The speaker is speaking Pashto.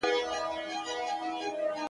راډيو_